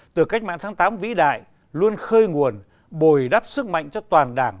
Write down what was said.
từ cách mạng tháng tám vĩ đại luôn khơi nguồn bồi đắp sức mạnh cho toàn đảng